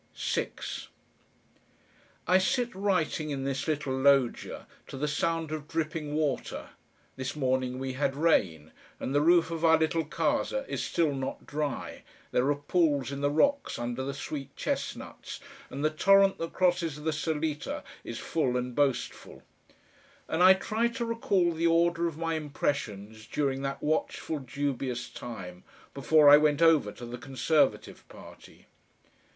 6 I sit writing in this little loggia to the sound of dripping water this morning we had rain, and the roof of our little casa is still not dry, there are pools in the rocks under the sweet chestnuts, and the torrent that crosses the salita is full and boastful, and I try to recall the order of my impressions during that watching, dubious time, before I went over to the Conservative Party.